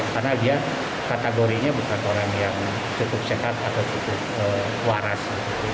karena dia kategorinya bukan orang yang cukup sehat atau cukup waras